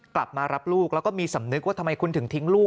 กลับมารับลูกแล้วก็มีสำนึกว่าทำไมคุณถึงทิ้งลูก